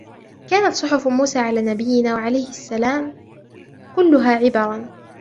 كَانَتْ صُحُفُ مُوسَى عَلَى نَبِيِّنَا وَعَلَيْهِ السَّلَامُ كُلُّهَا عِبَرًا